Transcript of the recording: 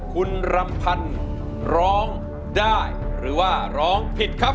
คุณรำพันธ์ร้องได้หรือว่าร้องผิดครับ